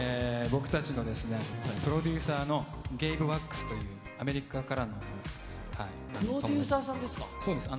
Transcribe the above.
僕たちのプロデューサーのゲイグ・ワックスというアメリカかプロデューサーさんですか。